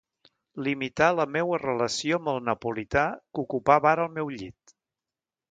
Limitar la meua relació amb el napolità que ocupava ara el meu llit.